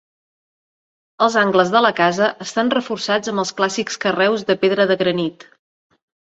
Els angles de la casa estan reforçats amb els clàssics carreus de pedra de granit.